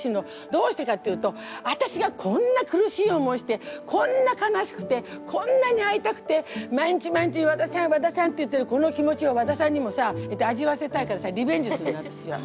どうしてかっていうとわたしがこんな苦しい思いしてこんな悲しくてこんなに会いたくて毎日毎日「和田さん和田さん」って言ってるこの気持ちを和田さんにもさ味わわせたいからさリベンジするのわたしは。